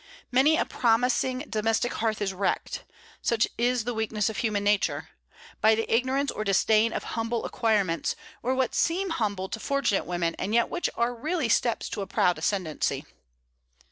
Many a promising domestic hearth is wrecked such is the weakness of human nature by the ignorance or disdain of humble acquirements, or what seem humble to fortunate women, and yet which are really steps to a proud ascendency.